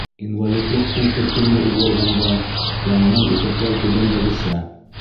Инвалидлыҡтың төркөмө үҙгәргәндә яңынан иҫәпләү түбәндәгесә: